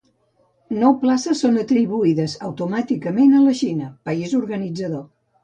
Nou places són atribuïdes automàticament a la Xina, país organitzador.